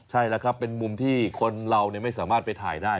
ใช่แล้วครับเป็นมุมที่คนเราไม่สามารถไปถ่ายได้